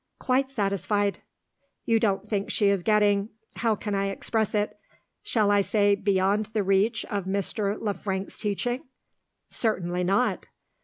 "Quite satisfied." "You don't think she is getting how can I express it? shall I say beyond the reach of Mr. Le Frank's teaching?" "Certainly not."